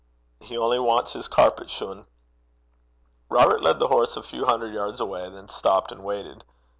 He only wants his carpet shune.' Robert led the horse a few hundred yards, then stopped and waited.